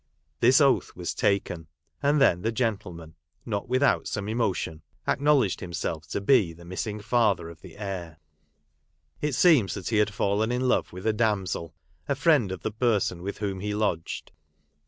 This oath was taken ; and then the gentleman, not without some emotion, acknowledged himself to be the missing father of the heir. It seems that he had fallen in love with a damsel, a friend of the person with whom he lodged.